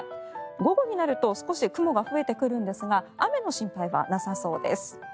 午後になると少し雲が増えてくるんですが雨の心配はなさそうです。